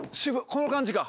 この感じか。